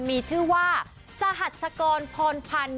มีชื่อว่าสหัสกรพรพันธ์